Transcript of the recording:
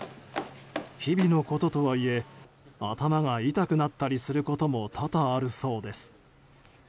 日々のこととはいえ頭が痛くなったりすることも多々あるそうです。